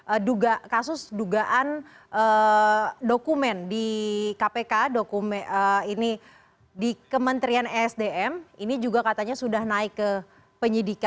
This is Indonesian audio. aduga kasus dugaan eh dokumen di kpk dokumen ini di kementrian sdm ini juga katanya sudah naik ke